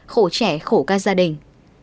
khổ trẻ khổ các gia đình